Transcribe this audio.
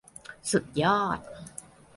สุดยอด !